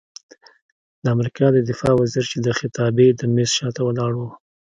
د امریکا د دفاع وزیر چې د خطابې د میز شاته ولاړ و،